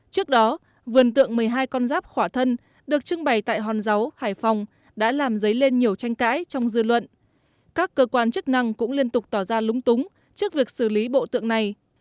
trước đó vườn tượng một mươi hai con giáp khỏa thân được trưng bày tại hòn giấu hải phòng đã làm dấy lên nhiều tranh cãi trong dư luận các cơ quan chức năng cũng liên tục tỏ ra lúng túng trước việc xử lý bộ tượng này